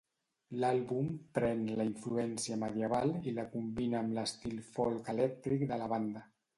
L'àlbum pren la influència medieval i la combina amb l'estil folk elèctric de la banda.